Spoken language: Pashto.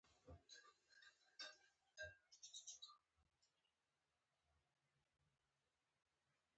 په پښتو ژبه کې مونږ اوس هم بلها شاعرانې لرو